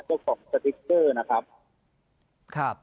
เจ้าของสติกเกอร์นะครับ